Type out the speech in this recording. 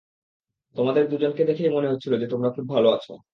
তোমাদের দুজনকে দেখেই মনে হচ্ছিল যে, তোমরা খুব ভালো আছ।